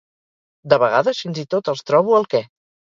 De vegades fins i tot els trobo el què.